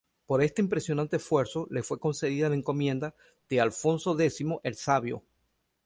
Por este impresionante esfuerzo le fue concedida la Encomienda de Alfonso X el Sabio.